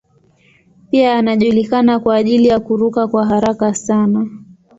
Pia anajulikana kwa ajili ya kuruka kwa haraka sana.